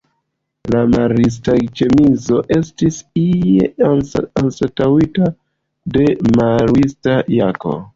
La marista ĉemizo estis ie anstataŭita de marista jako.